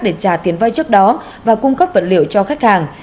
để trả tiền vay trước đó và cung cấp vật liệu cho khách hàng